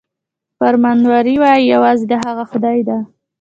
فرمانروايي یوازې د هغه خدای ده.